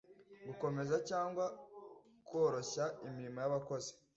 Gukomeza Cyangwa Koroshya Imirimo Yabakozi